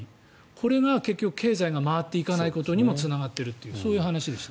これが結局経済が回っていかないことにもつながっているというそういう話でした。